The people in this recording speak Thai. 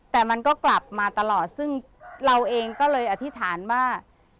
แต่มันก็กลับมาตลอดซึ่งเราเองก็เลยอธิษฐานว่า